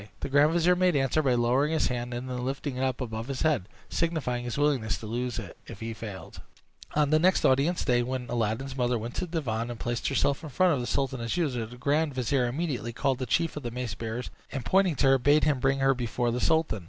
The grand vizier made answer by lowering his hand, and then lifting it up above his head, signifying his willingness to lose it if he failed. On the next audience day, when Aladdin's mother went to the divan, and placed herself in front of the sultan as usual, the grand vizier immediately called the chief of the mace bearers, and, pointing to her, bade him bring her before the sultan.